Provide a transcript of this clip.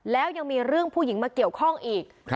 แล้วยังมีเรื่องผู้หญิงมาเกี่ยวข้องอีก